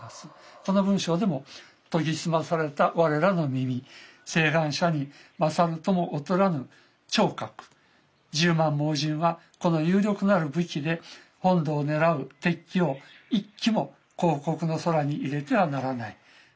この文章でも「磨ぎ澄まされた我らの耳眼者に勝るとも劣らぬ聽覺十万盲人はこの有力なる武器で本土を狙ふ敵機を一機も皇國の空に入れてはならない」。